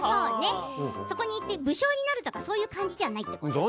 そこに行って武将になるという感じじゃないんだね。